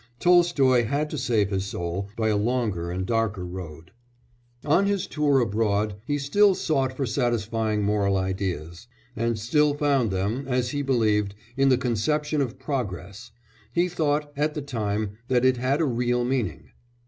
Tolstoy had to save his soul by a longer and a darker road. On his tour abroad he still sought for satisfying moral ideas, and still found them, as he believed, in the conception of progress; he thought, at the time, that it had a real meaning.